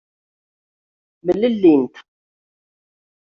Mlellint.